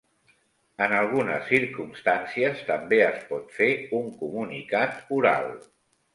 En algunes circumstancies també es pot fer un comunicat oral.